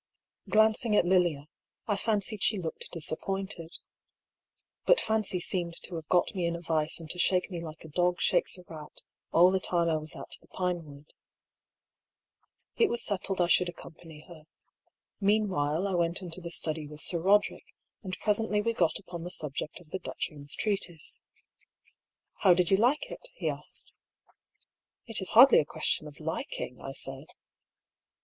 Glancing at Lilia, I fancied she looked disappointed. But Fancy seemed to have got me in a vice and to shake me like a dog shakes a rat, all the time I was at the Pinewood. It was settled I should accompany her. Meanwhile I went into the study with Sir Roderick, and presently we got upon the subject of the Dutchman's treatise. " How did you like it ?" he asked. " It is hardly a question of liking," I said.